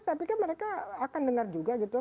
tapi kan mereka akan dengar juga gitu